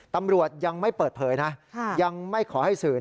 ตำรวจยังไม่เปิดเผยนะยังไม่ขอให้สื่อ